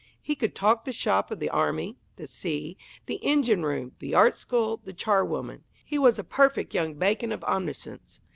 He could talk the "shop" of the army, the sea, the engine room, the art school, the charwoman; he was a perfect young Bacon of omniscience.